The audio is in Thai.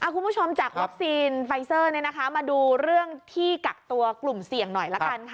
คุณผู้ชมจากวัคซีนไฟเซอร์มาดูเรื่องที่กักตัวกลุ่มเสี่ยงหน่อยละกันค่ะ